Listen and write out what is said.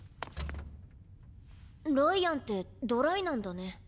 ライアンってドライなんだね。